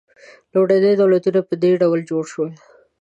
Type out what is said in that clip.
لومړني دولتونه په دې ډول جوړ شول.